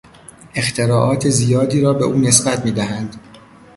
اختراعات زیادی را به او نسبت میدهند.